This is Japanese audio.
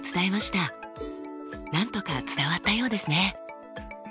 なんとか伝わったようですね。